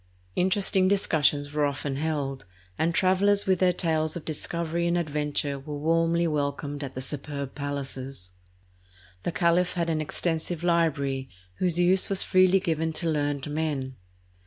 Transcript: Interesting discussions were often held, and travelers with their tales of discovery and adventure were warmly welcomed at the superb palaces. The caliph had an extensive library, whose use was freely given to learned men.